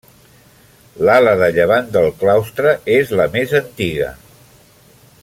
L'ala de llevant del claustre és la més antiga.